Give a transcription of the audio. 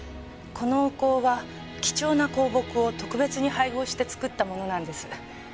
このお香は貴重な香木を特別に配合して作ったものなんです。